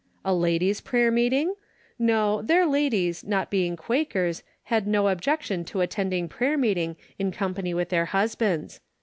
A ladies' prayer meeting? No, their ladies, not being Quakers, had no objec tion to attending prayer meeting in company with their husbands.